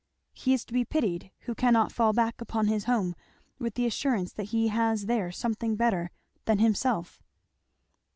He is to be pitied who cannot fall back upon his home with the assurance that he has there something better than himself."